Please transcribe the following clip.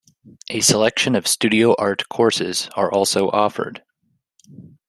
A selection of Studio Art courses are also offered.